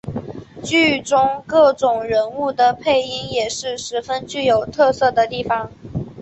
剧中各种人物的配音也是十分具有特色的地方。